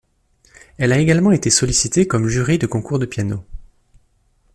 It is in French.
Elle a également été sollicité comme jury de concours de piano.